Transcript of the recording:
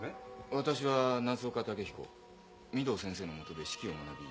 私は夏岡猛彦御堂先生の下で指揮を学び